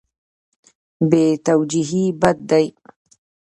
بې توجهي بد دی.